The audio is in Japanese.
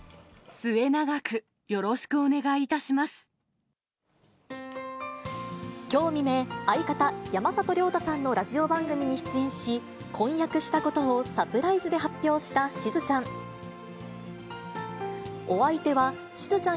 末永くよろしくお願いいたしきょう未明、相方、山里亮太さんのラジオ番組に出演し、婚約したことをサプライズで発表したしずちゃん。